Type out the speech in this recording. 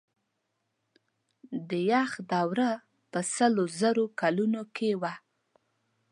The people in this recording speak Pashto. د یخ دوره په سلو زرو کلونو کې وه.